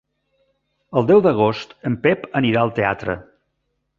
El deu d'agost en Pep anirà al teatre.